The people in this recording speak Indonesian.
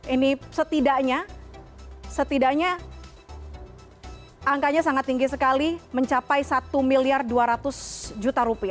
ini setidaknya angkanya sangat tinggi sekali mencapai rp satu dua ratus